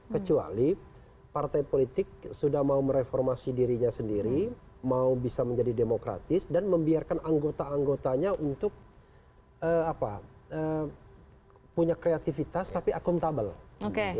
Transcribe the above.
kecuali partai politik sudah mau mereformasi dirinya sendiri mau bisa menjadi demokratis dan membiarkan anggota anggotanya untuk punya kreativitas tapi akuntabel